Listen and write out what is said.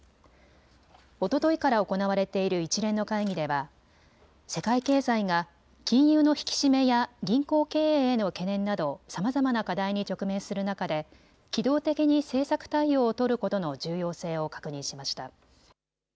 おとといから行われている一連の会議では世界経済が金融の引き締めや銀行経営への懸念などさまざまな課題に直面する中で機動的に政策対応を取ることの重要性を確認しました。